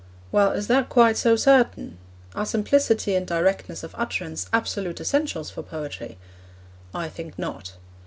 Well, is that quite so certain? Are simplicity and directness of utterance absolute essentials for poetry? I think not.